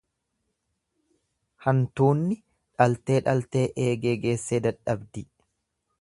Hantuunni dhaltee dhaltee eegee geessee dadhabdi.